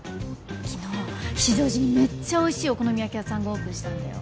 昨日吉祥寺にめっちゃおいしいお好み焼き屋さんがオープンしたんだよ